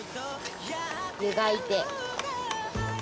ゆがいて。